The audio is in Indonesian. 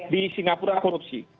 di singapura korupsi